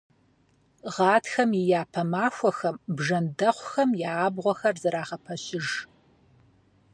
Гъатхэм и япэ махуэхэм бжэндэхъухэм я абгъуэхэр зэрагъэпэщыж.